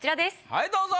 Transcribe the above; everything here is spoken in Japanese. はいどうぞ。